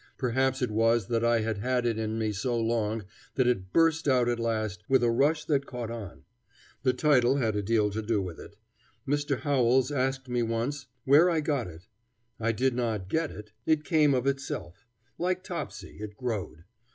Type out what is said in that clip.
Perhaps it was that I had had it in me so long that it burst out at last with a rush that caught on. The title had a deal to do with it. Mr. Howells asked me once where I got it. I did not get it. It came of itself. Like Topsy, it growed.